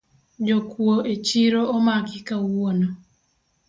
Jokuo echiro omaki kawuono